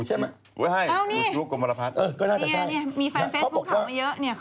ใช่ไหมเอานี่มีไฟล์เฟสพูดของเขามาเยอะเขากินเลขด้วย